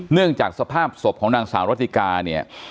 เนื่องจากสภาพศพของนางสาวรัติกาเนี่ย